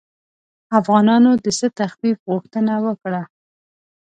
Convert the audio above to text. افغانانو د څه تخفیف غوښتنه وکړه.